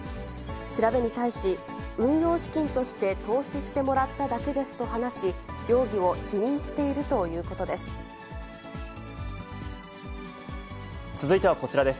調べに対し、運用資金として投資してもらっただけですと話し、容疑を否認しているということです。